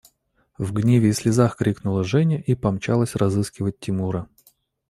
В гневе и слезах крикнула Женя и помчалась разыскивать Тимура.